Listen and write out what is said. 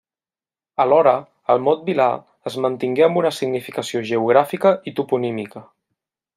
Alhora, el mot vilar es mantingué amb una significació geogràfica i toponímica.